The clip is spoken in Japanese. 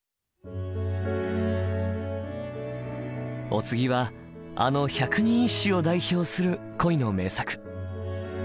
お次はあの「百人一首」を代表する恋の名作。